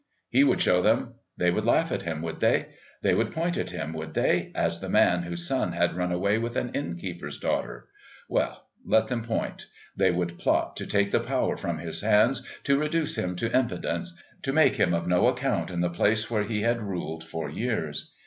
He would show them. They would laugh at him, would they? They would point at him, would they, as the man whose son had run away with an innkeeper's daughter? Well, let them point. They would plot to take the power from his hands, to reduce him to impotence, to make him of no account in the place where he had ruled for years.